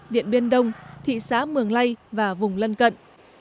điện biên đông thị xã mường lây và vùng lân cận